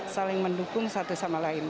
saling mendukung satu sama lain